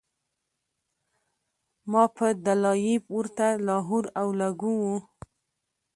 ما پۀ “دلائي” ورته لاهور او لګوو